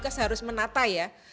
tugas harus menata ya